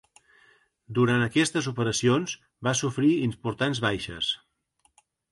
Durant aquestes operacions va sofrir importants baixes.